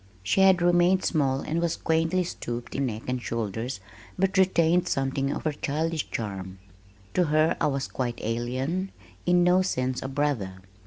She had remained small and was quaintly stooped in neck and shoulders but retained something of her childish charm. To her I was quite alien, in no sense a brother.